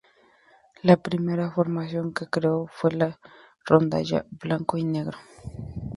La primera formación que creó fue la rondalla 'Blanco y Negro'.